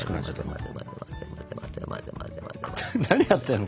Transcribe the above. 何やってんの？